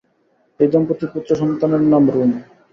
এই দম্পতির পুত্র সন্তানের নাম রূম।